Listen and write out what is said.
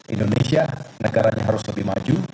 indonesia negaranya harus lebih maju